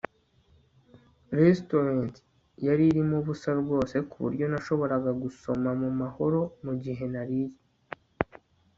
restaurant yari irimo ubusa rwose, kuburyo nashoboraga gusoma mumahoro mugihe nariye